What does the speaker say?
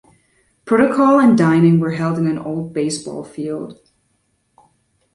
Protocol and Dining were held in an old baseball field.